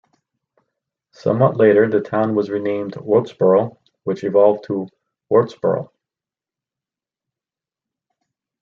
Somewhat later the town was renamed Wurtsborough, which evolved to Wurtsboro.